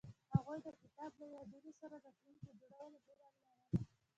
هغوی د کتاب له یادونو سره راتلونکی جوړولو هیله لرله.